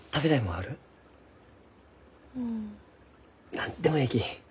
何でもえいき！